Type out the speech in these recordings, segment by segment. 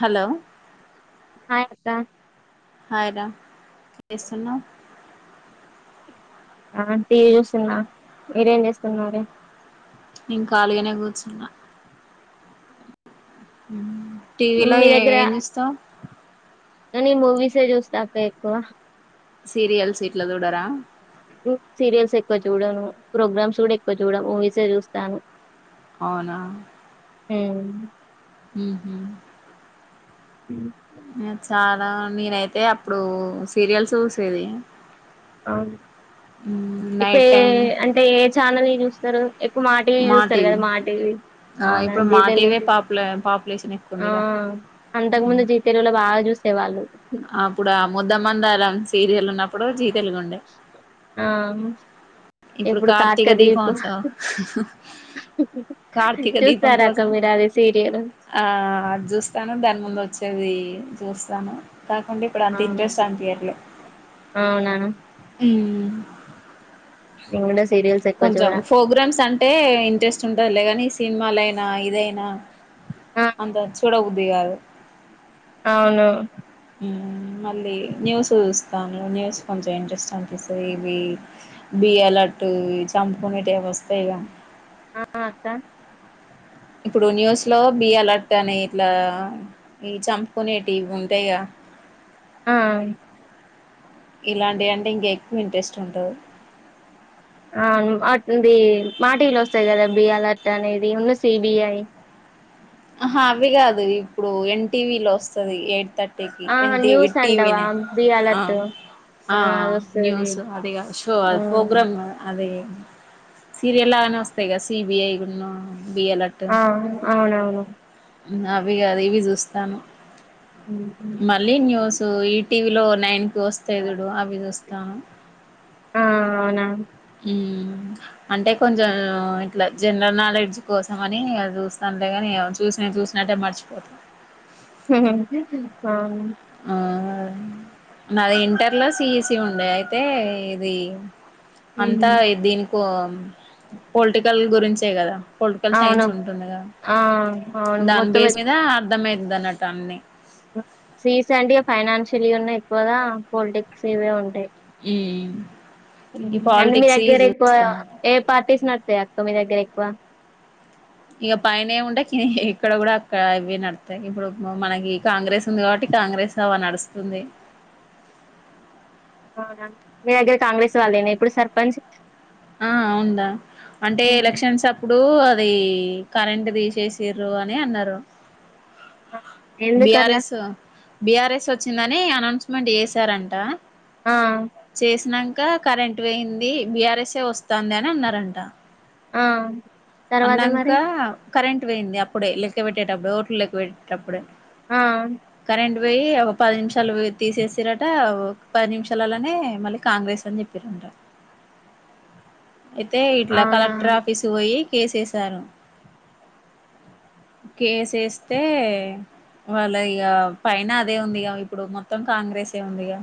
Hello hi అక్క hi రా చేస్తున్నవ్ ఆ టీవి చూస్తున్నా మీరేం చేస్తున్నారు నెన్ కాలిగానే కూర్చున్నా ఉ టీవీలో ఏ దగ్గర ఏం చూస్తవ్ కానీ మూవీసే చూస్తా అక్క ఎక్కువ సీరియల్స్ ఇట్ల చూడరా సీరియల్స్ ఎక్కువ చూడను ప్రోగ్రామ్స్ కూడా ఎక్కువ చూడ మూవీసే చూస్తాను అవునా హు ఉ హూ ఉ చాలా నేనైతే అప్పుడు సీరియల్స్ చూసేది అవునా ఎక్కు నైట్ ఏ టైం అంటే ఏ ఛానల్ వి చూస్తరు ఎక్కువ మా టివి చూస్తరు కదా మా టివి ఆ అవునా ఇప్పుడు జీ మా టీవీ తెలుగు పాపుల పాపులేషన్ ఎక్కువ ఆ ఉందిగా అంతకు ముందు మ్మ్. జీ తె తెలుగుల బాగా చూసే వాళ్ళు అప్పుడు ఆ ముద్దమందారం సీరియల్ ఉన్నప్పుడు జీ తెలుగు ఉండే ఆహా ఇప్పుడు కార్తీక దీపం కార్తీకదీపం ఉత్సవం కార్తీక దీపం చూస్తారా అక్క కోసం మీరు అది సీరియల్ అది చూస్తాను దాని ముందు వచ్చేది చూస్తాను కాకుంటే ఇప్పుడు అంత ఇంట్రెస్ట్ అనిపియట్లే అవునా నెన్ కూడా సీరియల్స్ ఎక్కువ కొంచెం చూడ ప్రోగ్రామ్స్ అంటే ఇంట్రెస్ట్ ఉంటదిలే కాని సినిమాలైనా ఇదైనా ఆ అంత చూడ బుద్ధి కాదు అవును ఉమ్ మళ్ళీ న్యూస్ చూస్తాను న్యూస్ కొంచెం ఇంట్రెస్ట్ అని పిస్తది ఇవి బి అలెర్ట్ చంపుకునేటివి అవి వస్తాయి గా ఆ అక్క ఇప్పుడు న్యూస్ లో బి అలర్ట్ అని ఇట్లా ఈ చంపుకునేటివి ఉంటాయిగ ఆ ఇలాంటియి అంటే ఇంక ఎక్కువ ఇంట్రెస్ట్ ఉంటది అ అవును అది మాటీవిలో వస్తాయి కదా బి అలర్ట్ అనేదిను సిబిఐ ఆహా అవి కాదు ఇప్పుడు ఎన్టీవీలో వస్తది ఎయిట్ థ ర్టీకి ఆ ఎన్ టీవి, న్యూస్ టీవి అంటావా నైన్ బి ఆ అలర్ట్ ఆ అది వస్తది న్యూస్ అది కాదు షో ఉమ్, ప్రోగ్రామ్ అది సీరియల్ లాగానే వస్తాయి కదా సీబిఐను బిఅలర్ట్ ఆ అవునవును అవి కాదు ఇవి చూస్తాను ఉ హూ మళ్ళీ న్యూస్ ఈ టీవీలో నైన్ కి వస్తాయి చూడు అవి చూస్తా ఆ అవునా ఉమ్ అంటే కొంచెం ఇట్లా జనరల్ నాలెడ్జ్ కోసం అని అవి చూస్ తంలే గానీ చూసినవి చూసినట్టే మర్చిపోత అవును ఆ నాది ఇంటర్ లో సిఈసి ఉండే అయితే ఇది అంతా ఉమ్, దీనికో పొలిటికల్ గురించే కదా పొలిటికల్ అవును సైన్స్ ఉంటుండా కదా ఆ అవును దాని మొత్తం బేస్ మీద అర్థమయింది అన్నట్టు అన్ని సి ఈ సి అంటే ఫైనాన్షియల్ ఉన్నా ఎక్కువగా పొలిటిక్స్ ఇవే ఉంటాయి ఉమ్ ఉ ఈ అంటే మీ పాలిటిక్స్ దగ్గర ఎక్కువగా చూస్తాను ఏ పార్టీస్ నడుత్తాయి అక్క మీ దగ్గర ఎక్కువ ఇగ పైన ఏ ఉంటే ఇక్కడ కూడా అక్కడ అవే నడుత్తాయ్ ఇప్పుడు మనకి కాంగ్రెస్ ఉంది కాబట్టి కాంగ్రెస్ నావా నడుస్తుంది అవునా మీ దగ్గర కాంగ్రెస్ వాళ్ళేనా ఇప్పుడు సర్పంచ్ ఆ అవును రా అంటే ఎలక్షన్స్ అప్ ప్పుడు అది కరెంట్ తీసేసిర్రు అని అన్నారు ఎందుకు అట్లా బిఆర్ఎస్ బిఆర్ఎస్ వచ్చిందని అనౌన్స్మెంట్ చేసారంట ఆ చేసినంక కరెంట్ పోయింది బిఆర్ఎస్ ఏ వస్తంది అని అన్నారంట ఆ తర్వాత అన్నంక మరి కరెంట్ పోయింది అప్పుడే లెక్క పెట్టేటప్పుడే ఓట్లు లెక్క పెట్టేటప్పుడే ఆ కరెంట్ పోయి ఒక పది నిమిషాలు తీసేసిర్రు ఆట ఒక పది నిమిషాలలోనే మళ్ళీ కాంగ్రెస్ అని చెప్పారు ప్పిర్రు అంట [inaudible] అయితే ఇట్లా అవునా కలెక్టర్ ఆఫీసు పోయి కేసు వేసారు [inaudible] కేస్ వేస్తే వాళ్ళ ఇగ పైన అదే ఉందిగా ఇప్పుడు మొత్తం కాంగ్రెస్ ఏ ఉందిగా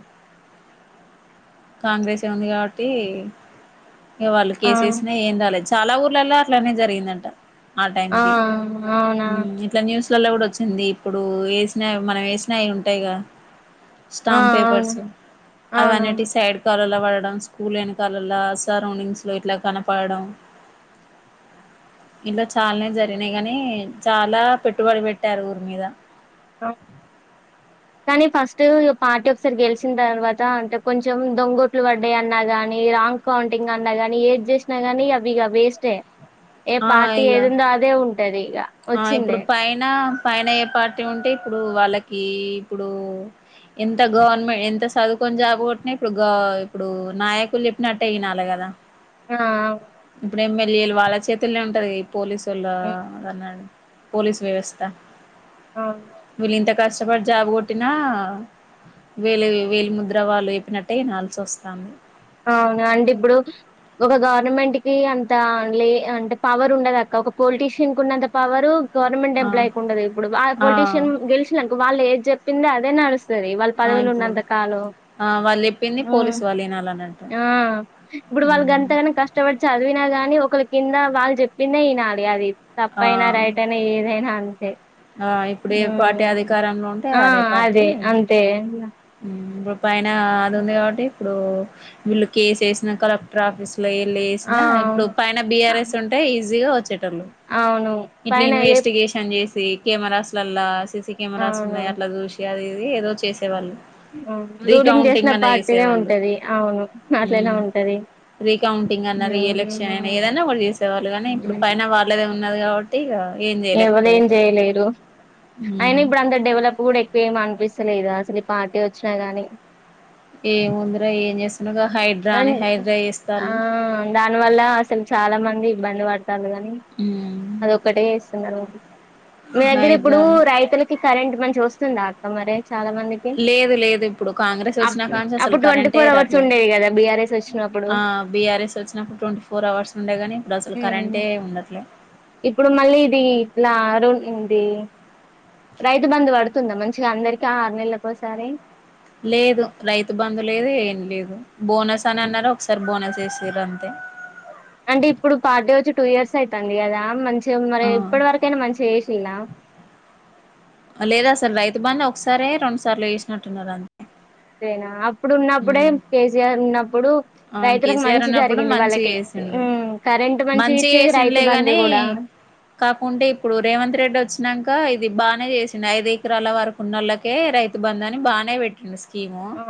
కాంగ్రెస్ ఏ ఉంది కాబట్టి ఇగ వాళ్ళు ఆ కేసేసిన ఏం రాలేదు చాలా ఊర్లలో అట్లనే జరిగిందంట ఆ టైంకి అవునా ఉమ్ ఇట్లా న్యూస్లలో కూడా వచ్చింది ఇప్పుడు వేసినవి మనం వేసినవి అవి ఉంటాయిగా ఆ స్టాంప్ అవును పేపర్స్ అవును అవిన్నిటి సైడ్ కాలవలో పడడం స్కూల్ వెనకాలాలా సరౌండింగ్స్ లో ఇట్లా కనపడడం ఇంట్లో చాలానే జరిగినాయి గాని చాలా పెట్టుబడి పెట్టారు ఊరి మీద ఆ కానీ ఫస్ట్ పార్టీ ఒకసారి గెలిచిన తర్వాత అంటే కొంచెం దొంగొట్లు పడ్డ అన్నా కానీ రాంగ్ కౌంటింగ్ అన్నా గానీ ఏది చేసినా కాని అవి ఇగ వేస్టే ఏ ఆ పార్టీ ఏది ఇగ ఉందో అదే ఉంటది ఇగ ఆ ఇప్పుడు పైన పైన ఏ పార్టీ ఉంటే ఇప్పుడు వాళ్ళకి ఇప్పుడు ఎంత గవర్నమెంట్ ఎంత చదువుకుని జాబు కొట్టిన ఇప్పుడు ఇప్పుడు నాయకులు నట్టే వినాలి కదా ఆ ఇప్పుడు ఎమ్మెల్యేలు వాళ్ళ చేతుల్లో ఉంటది పోలీసు వోళ్ళ అన్నా పోలీస్ వ్యవస్థ అవును వీళ్ళు ఇంత కష్టపడి జాబ్ కొట్టినా వేలు వేలు ముద్ర వాళ్ళు చేప్పినట్టే వినాల్సి వస్తంది ఔనాండిబ్బుడూ ఒక గవర్నమెంట్ కీ అంతా లే అండ్ పవర్ ఉండదక్క ఒక పొలిటీషియిన్ కున్నంత పవరూ గవర్నమెంట్ ఆ ఎంప్లాయ్కుండదు ఇప్పుడు వా ఆ పొలిటీషియన్ గెలిచినాంక్ వాళ్లేద్ జెప్పింద్ అదే నడుస్ త్తది వాళ్ ఆ ఇప్పుడు పదవులున్నంతకాలో ఉమ్ లేనాలనంట్ర ఆఁ ఇప్పుడు వాళ్ళగంతగన కష్టపడి చదివినా గానీ ఒకళ్ళ కిందా వాళ్ జెప్పిందే యినాలి అవీబ్ ఆ తప్పైనా రైట్ ఐనా ఏధైనా అంతే ఆ ఇప్పుడు ఏ పార్టీ ఊఁ అధికారంలో ఉంటే ఆఁ అదే అంతే ఊఁ ఇప్పుడు పైనా అదుంది కాబట్టీ ఇప్పుడూ వీళ్ళు కేసేసిన కలెక్టర్ ఆఫీస్ ఇల ఆ ఎల్లేసినా ఇప్పుడు పైన బిఆర్ఎస్ ఉంటే ఈజీగా వచ్చేటోళ్ళు అవును ఇట్లి పైన ఏ ఇన్వెస్టిగేషన్ జేసీ కెమెరాస్లల్లా సీసిక్ కెమెరాస్ ఉన్నయ్ అవును అట్లా జూసి అది ఇది ఏదో చేసేవాళ్ళు రూలింగ్ జేసిన రీకౌంటింగ్ అన్నా పార్టీనే చేసేవాళ్ళు ఉంటది ఔను అట్లనే ఉంటది రీకౌంటింగ్ అన్న రీ ఎలక్షన్ ఐనా ఏదన్న ఒకటి జేసేవాళ్ళు గానీ ఇప్పుడు పైన వాళ్ళదే ఉన్నది కాబట్ టేగా ఏం జేయల్యక్పోయిర్రు తెలేదు ఐన ఇప్పుడంత డెవలప్ గూడెక్కువేం అన్పిస్తలేదూ అసల్ ఈ పార్టీ వచ్చినా గానీ ఏముందిరా ఏం జేస్తున్నగా హైడ్రాని అండ్ హైడ్రయ్ ఆ చేస్తాళ్ళు దాని వల్లా అసల్ చాలా మంది ఇబ్బంది పడతాళ్లు గానీ ఉమ్ మీ హైడ్రా దగ్గరిప్పుడూ అని రైతులకి కరెంట్ మంచి గొస్తుందా అక్క మరే చాలా మంది లేదు లేదు ఇప్పుడు కాంగ్రెస్ అప్ వచ్చినా కాంచి అసలు అప్పుడ్ ట్వంటీ ఫోర్ అవర్స్ ఉండేది గదా బిఆర్ఎస్ వచ్చిన ఆఁ బీఆర్ఎస్ వచ్చినప్పుడు ట్వంటీ ఫోర్ అవర్స్ ఉండే గానీ ఇప్పుడ్ అసల్ ఉమ్. కరెంటే ఉండట్లే ఇప్పుడు మళ్ళీ ఇదీ ఇట్లా రూ యిందీ రైతు బందు బడుతుంద మంచిగ అందరికిీ ఆరు నెల్లకోసారీ లేదు రైతు బందు లేదు ఏం లేదు బోనస్ అనన్నారు ఒకసారి బోనస్ ఏసిర్రు అంతే అంటే ఇప్పుడు పార్టీ వచ్చి టూ ఇయర్స్ ఐతాంది గదా మంచిగ మరే ఆ ఇప్పుడువరకైనా మంచిగ ఏషిల్లా లేదసల్ రైతు బందు ఒకసారే రొండు సార్లో ఏసినట్టున్నారు అంత్ తేనా అప్పుడు ఉన్నప్పుడే కేసీఆర్ ఉన్నప్పుడూ ఆ రైతులకు కేసీఆర్ మంచి ఉన్నప్పుడు జరిగింది మంచిగా వాళ్ళకీ చేసిండు ఉమ్ కరెంటు మంచి మంచిగా గిచ్చేది రైతు చేసిండ్లే బందీ గాని గుడా కాకుంటే ఇప్పుడు రేవంత్ రెడ్డొచ్చినాంకా ఇది బానే జేసింద్ ఐదు ఎకరాల వరకున్నోళ్ళక్ కే రైతు బందని బానే బెట్టిండు స్కీమూ ఆ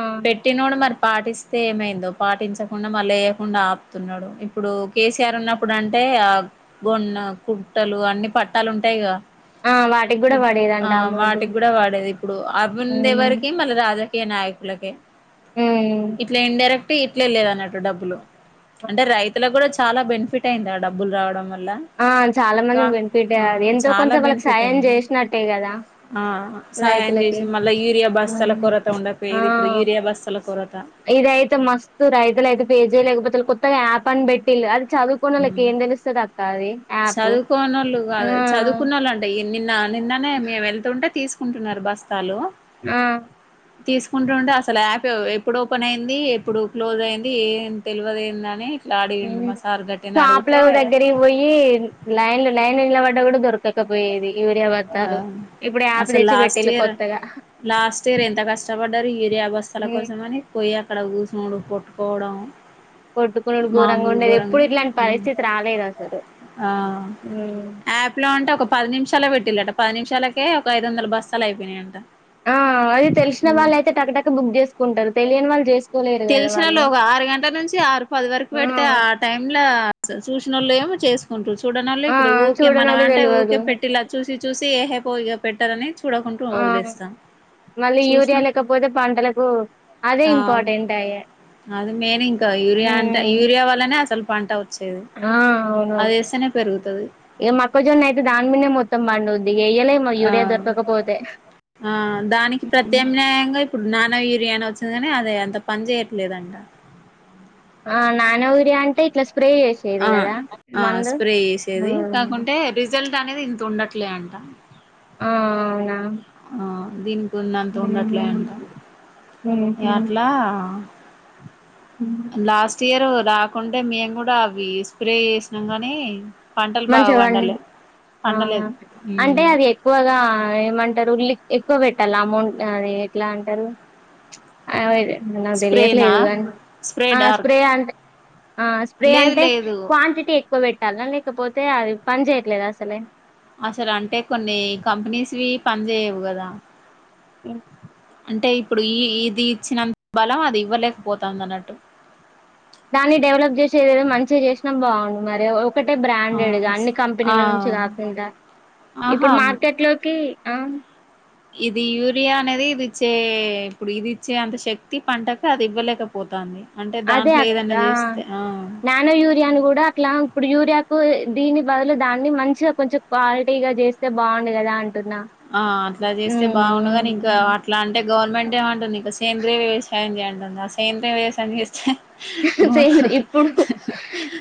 ఆ పెట్టినోడ్ మర్ పాటిస్ తే ఏమైందో పాటించకుండ మళ్లేయకుండ ఆపుతున్నడు ఇప్పుడూ కేసీఆర్ ఉన్నప్పుడంటే ఆక్ గొన్నా కుట్టలు అన్ని పట్టాలుంటయ్ గా ఆ వాటికి కూడా పడేదంట ఆఁ అమౌంట్ వాటిక్ గుడ వాడేది ఇప్పుడూ ఉమ్ అవిందెవరికీ మళ్ళ రాజాక్ కే నాయకులకే ఉమ్ ఇట్ల ఇండైరెక్టు ఇట్లే లేదన్నట్టు డబ్బులు అంటే రైతులక్ గుడ చాలా బెనిఫిట్ అయిందా డబ్బుల్ రావడం వల్ల ఆఁ చాలా మంది కా బెన్ఫిటే ఆ అది ఎంతో చాలా కొంత వాళ్ళక్ సాయం జేసినట్టే గదా ఆఁ సాయం జేసి మళ్ళ యూరియా బస్తాల కొరత ఉండకపోయేదీ ఇప్పుడు యూరియా బస్తాల కొరత ఇదయితే మస్తూ రైతులైతే పే జేయలేకబోతుల్ కొత్తగా యాప్ అన్ బెట్టిల్ అది చదువు కోనలకి మ్ ఏం దెలుస్తదక్క అదీ యాపు చదువుకోనోళ్ళు కాదు చదువుకున్నోళ్ళు అంటే నిన్న నిన్ననే మేము వెళ్తుంటే తీసుకుంటున్నారు బస్తాలు ఆ తీసుకుంటు ఉంటే అసలు యాప్ ఎప్పుడు ఓపెన్ అయింది ఎప్పుడు క్లోజ్ అయింది ఏం తెలవదెందని లాడిండు మా సార్ గట్టిగనె అడుగితే పోయ్యి లైను లైన్ల నిలబడ్డ కూడా దొరకు దొరకకపోయేది ఆ యూరియాబత్తాలు ఇప్పుడు అప్ అసలు తెచ్చి లాస్ట్ పెట్టేళు ఇయర్ కొత్తగా లాస్ట్ ఇయర్ ఎంత కష్టపడ్డారు ఈయూరియా బస్థల ఉమ్, కోసం అని పోయి అక్కడ కూసునుడు కోట్టుకోవడం కొట్టుకునుడు గోరంగా ఉండేది ఎప్పుడు ఇట్లాంటి పరిస్థితి రాలేదు అసలు ఆ ఉమ్. ఆప్ ప్లో అంట ఒక పది నిమిషాలే పెట్టిళట పది నిమిషాలకే ఒక ఐదు వందల బస్తాలు అయిపోనాయియంట ఆ అది తెలిసిన వాళ్ళు అయితే టక్కటక బుక్ చేసు తెలిసినోళ్ళు ఒక ఆరు గంటల నుంచి ఆరు పది వరకు పెడితే ఆ టైం ఇంలా చూసినోళ్లు ఏమో చేసుకుంటరు చూడనోళ్ళు ఆ ఇప్పుడు ఊకే మనం చూడనోళ్ళు అంటే ఊకే తెల్వదు పెట్టిలా చూసి చూసి ఏహే పో ఇ పెట్టారని చూడకుంట వదిలేస్తాం చూసిన పోతే పంటలకు అదే ఆ ఇంపార్టెంట్ అయ్యే అది మెయిన్ ఇంకా యూరియా అంటె యూరియా వల్లనే అసలు పంట అవుత [unintelligible] అదేస్తనే పెరుగుతది ఈ మొక్కజొన్న అయితే దాని మీదనే మొత్తం పండుద్ది ఇగ వయ్యలేం ఆ ఆ దానికి ప్రత్యామ్నాయంగా ఇప్పుడు నానో యూరియానీ వచ్చింది కానీ అదే అంత పని చేయట్లేదంట ఆ నానో యూరియా అంటే ఇట్ల స్ప్రే చేసే ఆ ఆ స్ప్రే చేసేది కాకుంటే రిజల్ట్ అనేది ఇంత ఉండట్లే అంట ఆ అవునా ఆ దీనికున్ననంత అంత ఉండట్లే అంటా ఇగ అట్లా ఉ లాస్ట్ ఇయరు రాకుంటే మేము కూడా అవి స్ప్రే చేసినాం కనీ పంటలు బాగా మంచిగా వండలే పండి అవునా పండలేదు అంటే అది ఎక్కువగా ఏమంటారు ఉల్లి ఎక్కువ పెట్టాల అమౌంట్ అది ఎట్లా అంటారు అదే నాకు స్ప్రేనా తెలియట్లేదు కా ఆ స్ప్రే అంతె ఆ స్ప్రే లేదు అంటే లేదు క్వాంటిటీ ఎక్కువ పెట్టాలా లేక లేకపోతే అది పని చేయట్లేద అసలే అసలు అంటే కొన్ని కంపెనీస్వి పని చేయ్యవు కదా ఉ అంటే ఇప్పుడు ఈ ఇది ఇచ్చినంత బలం అది ఇవ్వలేకపోతాంది అన్నట్టు దాన్ని డెవలప్ చేసేదదో మంచిగా చేసినా బాగుండు మరి ఒక్కటే ఆ బ్రాండెడ్గా అన్ని ఆ కంపెనీల నుంచి కాకుండా ఆహా ఇప్పుడు మార్కెట్లోకి ఆ ఇది యూరియా అనేది ఇదిచ్చే ఇప్పుడు ఇదిచ్చే అంత శక్తి పంటకు అది ఇవ్వలేకపో పోతుంది అంటే అదే దాంట్లో అక్క ఏదైనా చేస్తే ఆ నానో యూరియాను కూడా ఇట్లా ఇప్పుడు యూరియాకు దీని బదులు దాన్ని మంచిగా కొంచెం క్వాలిటీగా చేస్తే బాగుండు కదా అంటున్నా ఆ అట్లా చేస్తే హ్మ్. బాగుండుగాని ఇంకా హ్మ్. అట్లాంటే గవర్నమెంటే అంటుంది ఇక సేంద్రీయ వ్యవసాయం చేయంటుంది ఆ సేంద్రీయ వ్యవసాయం చేస్తే సేంద్రియ ఇప్పుడు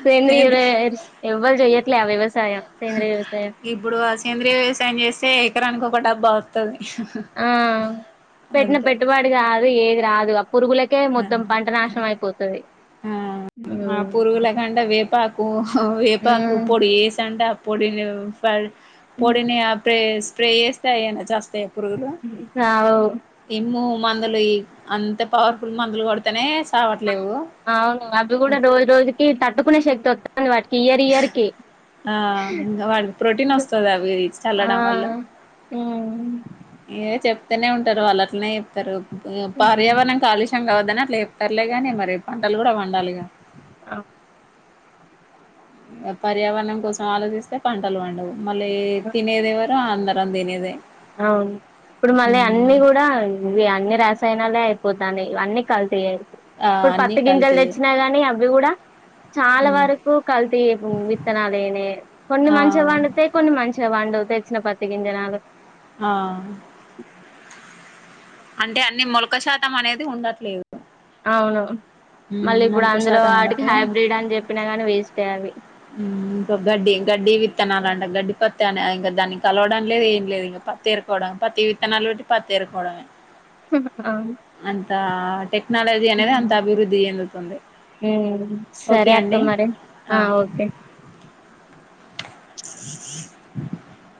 సేంద్రియ సేంద్రీయ వ్యవ ఎవ్వరు చెయ్యట్లే ఆ వ్యవసాయం. సేంద్రియ వ్యవసాయం ఇప్పుడు ఆ సేంద్రియ వ్యవసాయం చేస్తే ఎకరానికి ఒక డబ్బా వస్తది. ఆ పెట్టిన అంతే పెట్టుబడి కాదు ఏది రాదు ఆ పురుగుల కే మొత్తం ఆ పంట నాశనం అయిపోతది. ఆ ఆ పురుగులకంట వేపాకు వేపాకు పొడి ఏసంట పొడిను ఫ పొడిని ఆ ప్రే స్ప్రే చేస్తే అయేనా చస్తయి. పురుగులు అవు ఎమో మందులు ఇయి అంత పవర్ ఫుల్ మందులు కొడితనే సావట్లేవు. అవును అవి కూడా రోజు రోజుకి తట్టుకునే శక్తి వత్తాంది వాటికి ఇయర్ ఇయర్కి. ఆ ఇంగా వాటికి ప్రోటీన్ వస్తది అవి ఆ చల్లడం వల్ల. ఏ చెప్తనే ఉంటరు వాళ్ళట్నే చెప్తరు. పర్యావరణం కాలుష్యం కావద్దని అట్లా చేప్తరులేగానీ మరి పంటలు కూడా పండాలిగా. ఆ పర్యావరణం కోసం ఆలోచిస్తే పంటలు పండవు. మళ్ళీ తినేది ఎవరు అందరం తినేదే. అవును ఇప్పుడు మళ్ళీ హ్మ్ అన్ని కూడా ఇవి అన్ని రసాయినాలే అయిపోతాన్నయి ఇవన్నీ కల్తీయే. ఆ ఇప్పుడు అన్నీ పత్తి గింజలు కల్తీయే తెచ్చినా గానీ అవి కూడా చాలా హ్మ్ వరకు కల్తీ విత్తనాలేనే కొన్ని ఆ మంచిగా పండుతయి కొన్ని మంచిగా పండవు తెచ్చిన పత్తి గింజనాలు. ఆ అంటే అన్ని మొలక శాతం అనేది ఉండట్లేదు. అవును హ్మ్ మళ్ళీ ఇప్పుడు మొలక అందులో శాతం వాటికి ఉండక హైబ్రిడ్ అని చెప్పినా కానీ వేస్టే అవి. హ్ ఇంకా గడ్డి గడ్డి విత్తనాలంట గడ్డి పత్తి అనే ఇంకా దాన్ని కలవడం లేదు ఏం లేదు ఇగ పత్తి రుకోవడమే పత్తి విత్తనాలు పెట్టి పత్తి ఎరుకోవడమే. హ్ అవును. అంత టెక్నాలజీ అనేది అంత అభివృద్ధి చెందుతుంది. సరే ఓకే అక్క అండి మరి ఆ ఓకే.